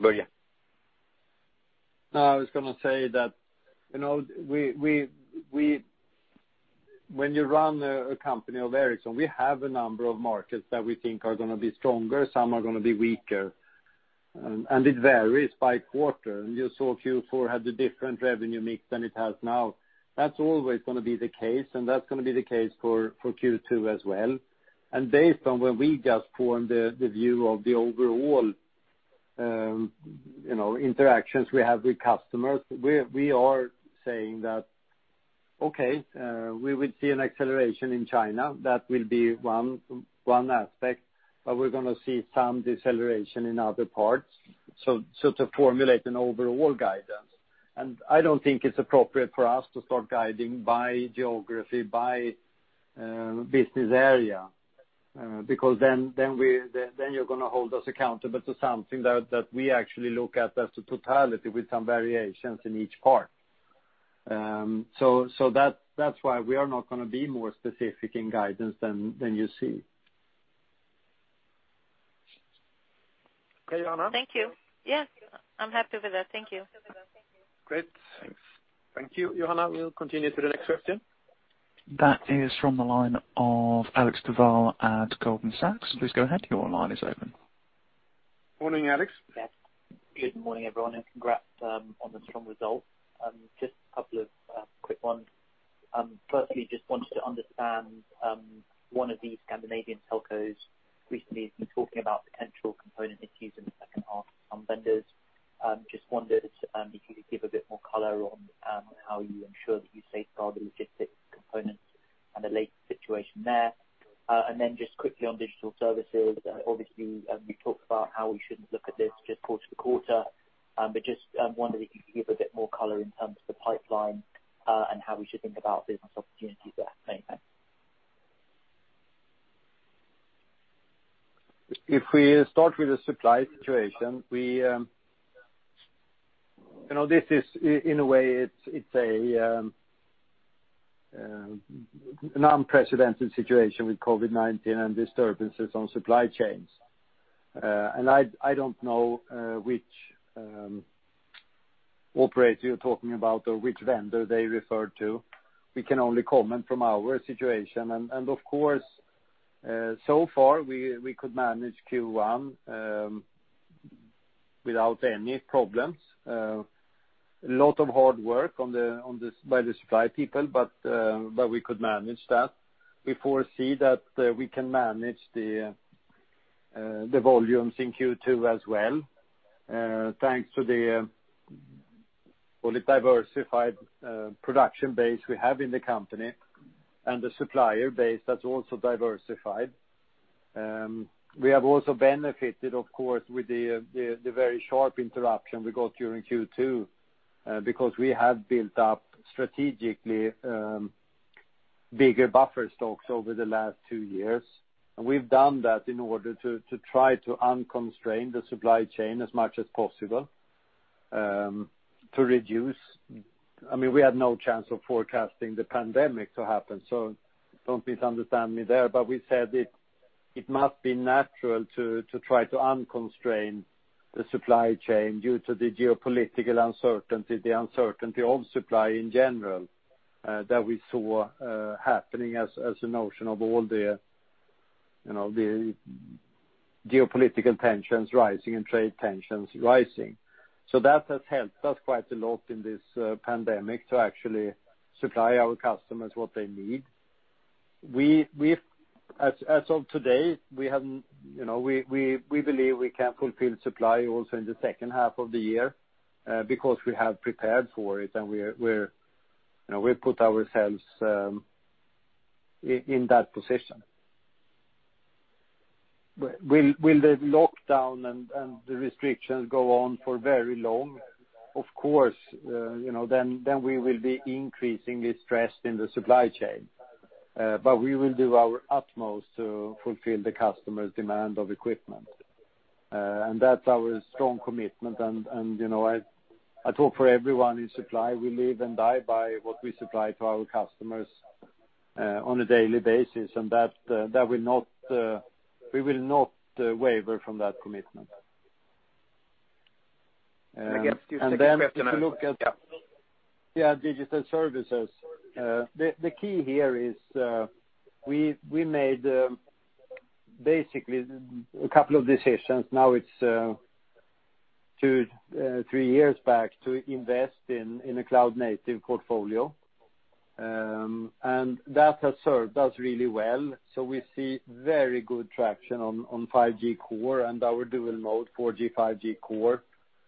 Börje. No, I was going to say that when you run a company of Ericsson, we have a number of markets that we think are going to be stronger, some are going to be weaker, and it varies by quarter. You saw Q4 had a different revenue mix than it has now. That's always going to be the case, and that's going to be the case for Q2 as well. Based on when we just formed the view of the overall interactions we have with customers, we are saying that, okay. We will see an acceleration in China. That will be one aspect, but we're going to see some deceleration in other parts. To formulate an overall guidance. I don't think it's appropriate for us to start guiding by geography, by business area, because then you're going to hold us accountable to something that we actually look at as the totality with some variations in each part. That's why we are not going to be more specific in guidance than you see. Okay, Johanna? Thank you. Yes, I'm happy with that. Thank you. Great. Thanks. Thank you, Johanna. We'll continue to the next question. That is from the line of Alexander Duval at Goldman Sachs. Please go ahead. Your line is open. Morning, Alex. Yes. Good morning, everyone, and congrats on the strong results. Just a couple of quick ones. Firstly, just wanted to understand, one of the Scandinavian telcos recently has been talking about potential component issues in the second half from vendors. Just wondered if you could give a bit more color on how you ensure that you safeguard the logistics components and the late situation there. Just quickly on Digital Services, obviously, we talked about how we shouldn't look at this just quarter to quarter. Just wondering if you could give a bit more color in terms of the pipeline, and how we should think about business opportunities there. Many thanks. If we start with the supply situation, this is, in a way, it's an unprecedented situation with COVID-19 and disturbances on supply chains. I don't know which operator you're talking about or which vendor they refer to. We can only comment from our situation. Of course, so far, we could manage Q1 without any problems. A lot of hard work by the supply people, but we could manage that. We foresee that we can manage the volumes in Q2 as well, thanks to the fully diversified production base we have in the company and the supplier base that's also diversified. We have also benefited, of course, with the very sharp interruption we got during Q2, because we have built up strategically bigger buffer stocks over the last two years. We've done that in order to try to unconstrain the supply chain as much as possible to reduce. We had no chance of forecasting the pandemic to happen, so don't misunderstand me there. We said it must be natural to try to unconstrain the supply chain due to the geopolitical uncertainty, the uncertainty of supply in general, that we saw happening as a notion of all the geopolitical tensions rising and trade tensions rising. That has helped us quite a lot in this pandemic to actually supply our customers what they need. As of today, we believe we can fulfill supply also in the second half of the year, because we have prepared for it, and we've put ourselves in that position. Will the lockdown and the restrictions go on for very long? Of course, we will be increasingly stressed in the supply chain. We will do our utmost to fulfill the customer's demand of equipment. That's our strong commitment. I talk for everyone in supply. We live and die by what we supply to our customers on a daily basis, and we will not waver from that commitment. Just a second question. And then if you look at- Yeah. Digital Services. The key here is, we made basically a couple of decisions, now it's two, three years back, to invest in a cloud-native portfolio. That has served us really well. We see very good traction on 5G core and our dual-mode 4G, 5G core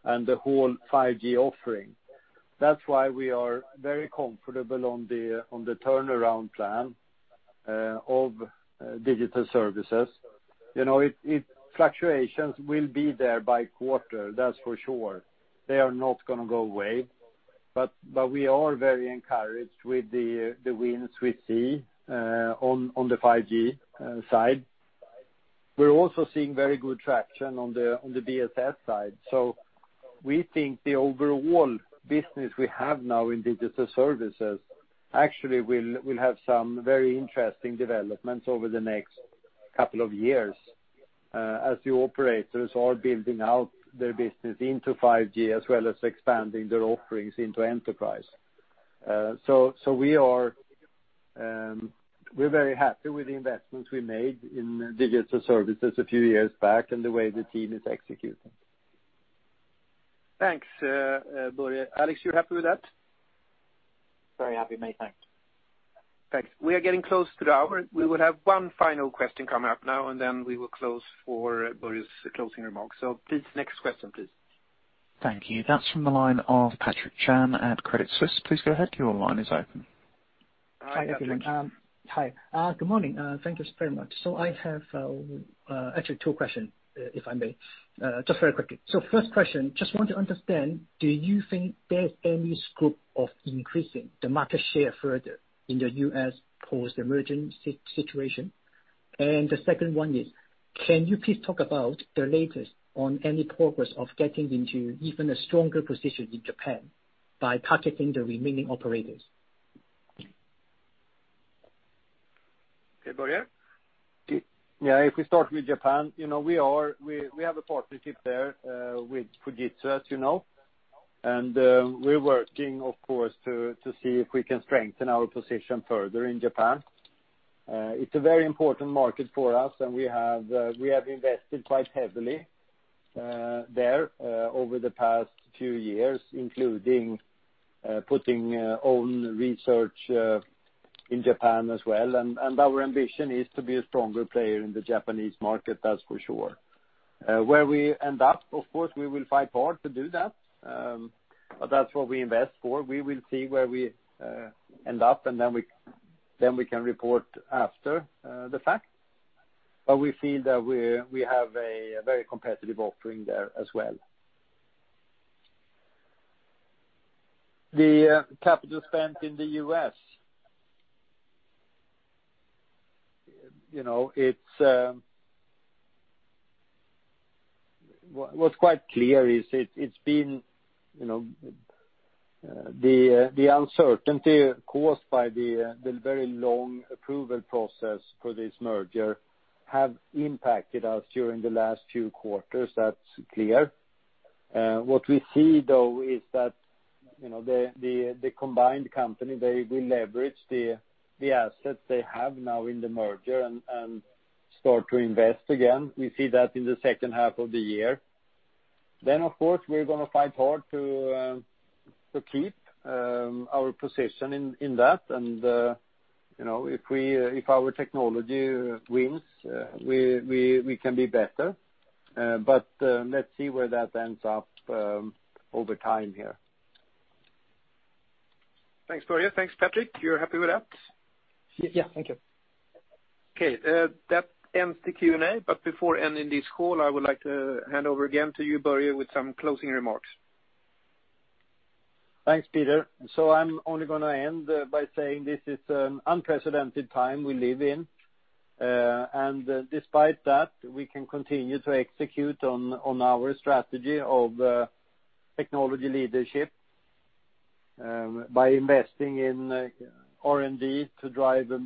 and the whole 5G offering. That's why we are very comfortable on the turnaround plan of Digital Services. Fluctuations will be there by quarter, that's for sure. They are not going to go away. We are very encouraged with the wins we see on the 5G side. We're also seeing very good traction on the BSS side. We think the overall business we have now in Digital Services actually will have some very interesting developments over the next couple of years, as the operators are building out their business into 5G, as well as expanding their offerings into enterprise. We're very happy with the investments we made in Digital Services a few years back and the way the team is executing. Thanks, Börje. Alex, you're happy with that? Very happy. Many thanks. Thanks. We are getting close to the hour. We will have one final question come up now, and then we will close for Börje's closing remarks. Please, next question please. Thank you. That's from the line of Patrick Chan at Credit Suisse. Please go ahead. Your line is open. Hi, everyone. Hi. Good morning. Thank you very much. I have actually two questions, if I may. Just very quickly. First question, just want to understand, do you think there's any scope of increasing the market share further in the U.S. post-merger situation? The second one is, can you please talk about the latest on any progress of getting into even a stronger position in Japan by targeting the remaining operators? Okay, Börje? Yeah, if we start with Japan, we have a partnership there with Fujitsu, as you know. We're working, of course, to see if we can strengthen our position further in Japan. It's a very important market for us, and we have invested quite heavily there over the past few years, including putting own research in Japan as well. Our ambition is to be a stronger player in the Japanese market, that's for sure. Where we end up, of course, we will fight hard to do that. That's what we invest for. We will see where we end up, and then we can report after the fact. We feel that we have a very competitive offering there as well. The capital spend in the U.S. What's quite clear is the uncertainty caused by the very long approval process for this merger have impacted us during the last few quarters, that's clear. What we see, though, is that the combined company, they will leverage the assets they have now in the merger and start to invest again. We see that in the second half of the year. Of course, we're going to fight hard to keep our position in that. If our technology wins, we can be better. Let's see where that ends up over time here. Thanks, Börje. Thanks, Patrick. You're happy with that? Yeah. Thank you. Okay, that ends the Q&A. Before ending this call, I would like to hand over again to you, Börje, with some closing remarks. Thanks, Peter. I'm only going to end by saying this is an unprecedented time we live in. Despite that, we can continue to execute on our strategy of technology leadership by investing in R&D to drive a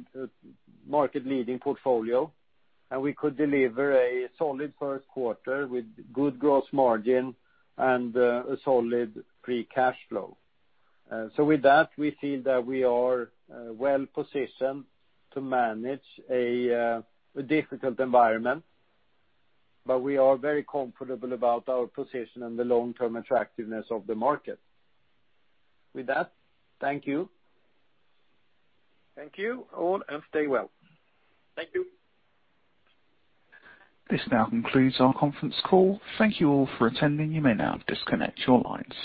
market-leading portfolio. We could deliver a solid first quarter with good gross margin and a solid free cash flow. With that, we feel that we are well-positioned to manage a difficult environment, but we are very comfortable about our position and the long-term attractiveness of the market. With that, thank you. Thank you all, and stay well. Thank you. This now concludes our conference call. Thank you all for attending. You may now disconnect your lines.